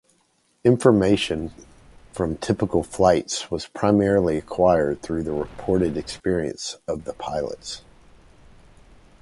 Information from typical flights was primarily acquired through the reported experiences of the pilots.